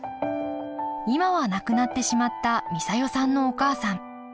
今は亡くなってしまった美佐代さんのお母さん。